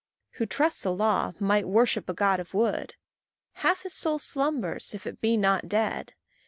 Who trusts a law, might worship a god of wood; Half his soul slumbers, if it be not dead.